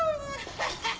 ハハハ。